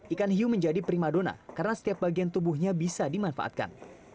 ikan hiu menjadi prima dona karena setiap bagian tubuhnya bisa dimanfaatkan